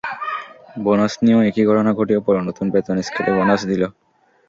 Bonus নিয়েও একই ঘটনা ঘটিয়ে পরে নতুন বেতন স্কেলে বোনাস দিল।